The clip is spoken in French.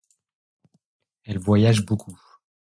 Elles voyagent beaucoup.